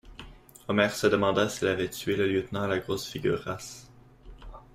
Omer se demanda s'il avait tué le lieutenant à la grosse figure rase.